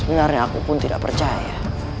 benarnya aku pun tidak percaya